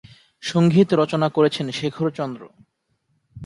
সংগীত রচনা করেছেন শেখর চন্দ্র।